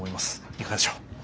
いかがでしょう？